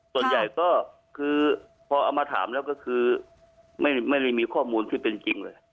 ส่วนใหญ่ก็คือพอเอามาถามแล้วก็คือไม่ได้มีข้อมูลที่เป็นจริงเลย